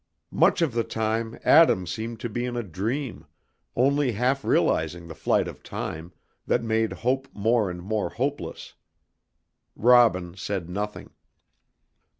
Much of the time Adam seemed to be in a dream, only half realizing the flight of time, that made hope more and more hopeless. Robin said nothing.